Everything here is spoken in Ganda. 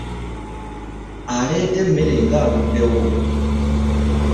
Aleeta emmere ng'aluddewo!